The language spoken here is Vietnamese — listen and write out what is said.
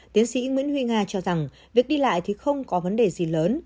tiến sĩ nguyễn huy nga cho rằng việc đi lại thì không có vấn đề gì lớn